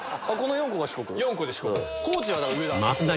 ４個で四国です。